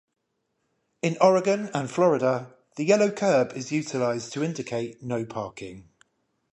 In Oregon and Florida, the yellow curb is utilized to indicate no parking.